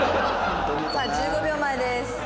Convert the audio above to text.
さあ１５秒前です。